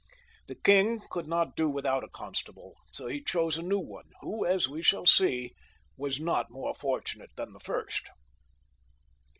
The king could not do without a constable, so he chose a new one, who, as we shall see, was not more fortunate than the first.